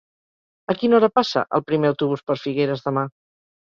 A quina hora passa el primer autobús per Figueres demà?